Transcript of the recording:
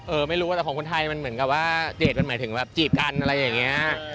ไม่รู้แต่ของคนไทยมันเหมือนกับว่าเดทมันหมายถึงแบบจีบกันอะไรอย่างนี้